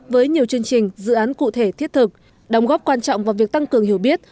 với nhiều chương trình dự án cụ thể thiết thực đóng góp quan trọng vào việc tăng cường hiểu biết